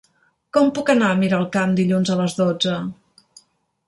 Com puc anar a Miralcamp dilluns a les dotze?